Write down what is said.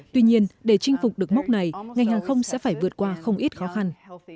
tuy nhiên để chinh phục được mốc này ngành hàng không sẽ phải vượt qua không ít khó khăn